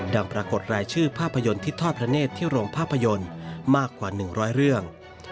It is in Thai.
ปรากฏรายชื่อภาพยนตร์ที่ทอดพระเนธที่โรงภาพยนตร์มากกว่า๑๐๐เรื่อง